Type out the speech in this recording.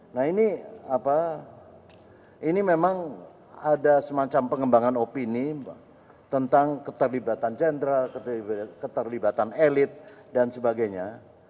nah ini memang ada semacam pengembangan opini tentang keterlibatan jenderal keterlibatan elit dan sebagainya